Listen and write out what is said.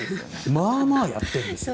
まあまあやっているんです。